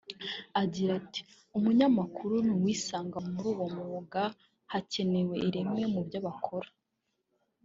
Agira ati “Umunyamakuru n’uwisanga muri uwo mwuga hakenewe ireme mubyo bakora